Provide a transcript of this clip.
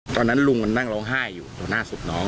ตอนนั้นลุงมันนั่งร้องไห้อยู่ตรงหน้าศพน้อง